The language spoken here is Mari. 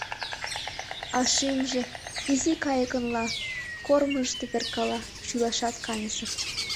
А шӱмжӧ изи кайыкынла кормыжышто перкала, шӱлашат каньысыр.